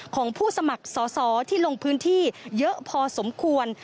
ของผู้สมัครสอสอที่ลงพื้นที่เยอะพอสมควร